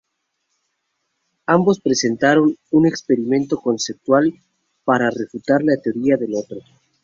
Ambos presentaron un experimento conceptual para refutar la teoría del otro.